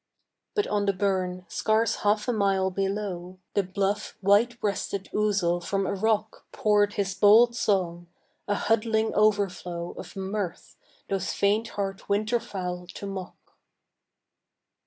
But on the burn, scarce half a mile below, The bluff white breasted ouzel from a rock Pour'd his bold song—a huddling overflow Of mirth, those faint heart winter fowl to mock.